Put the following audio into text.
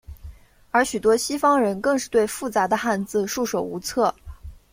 而许多西方人更是对复杂的汉字束手无策。